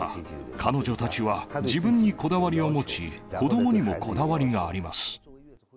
彼女たちは自分にこだわりを持ち、子どもにもこだわりがあります。